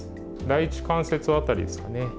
第１関節辺りですね。